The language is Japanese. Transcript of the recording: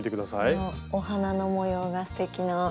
このお花の模様がすてきな。